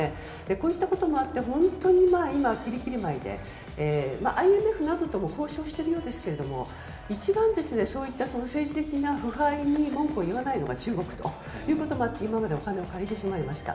こういったこともあって本当に今、きりきりまいでＩＭＦなどとも交渉しているようですが一番、政治的な腐敗に文句を言わないのが中国ということもあって今までお金を借りてしまいました。